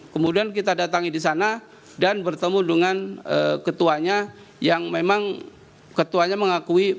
kemudian kita datangi di sana dan bertemu dengan ketuanya yang memang ketuanya mengakui